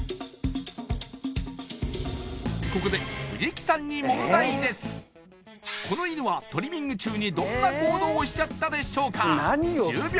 ここでこの犬はトリミング中にどんな行動をしちゃったでしょうか何をする？